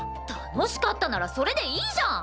楽しかったならそれでいいじゃん！